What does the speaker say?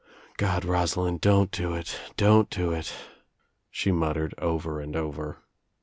"God, Rosalind, don't do it, don't do it," she mut tered over and over.